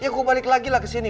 ya gue balik lagi lah kesini